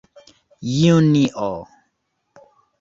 junio